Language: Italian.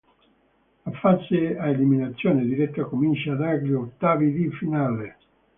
La fase a eliminazione diretta comincia dagli ottavi di finale.